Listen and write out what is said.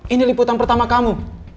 ini liputan pertama kamu